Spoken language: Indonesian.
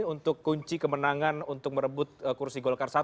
untuk kunci kemenangan untuk merebut kursi golkar satu